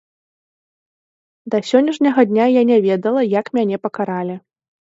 Да сённяшняга дня я не ведала, як мяне пакаралі!